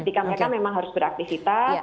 ketika mereka memang harus beraktivitas